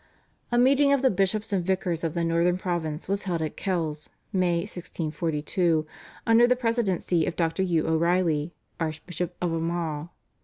A meeting of the bishops and vicars of the Northern province was held at Kells (May 1642) under the presidency of Dr. Hugh O'Reilly, Archbishop of Armagh.